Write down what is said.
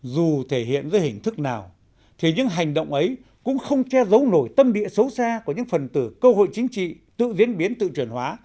dù thể hiện dưới hình thức nào thì những hành động ấy cũng không che giấu nổi tâm địa xấu xa của những phần từ cơ hội chính trị tự diễn biến tự truyền hóa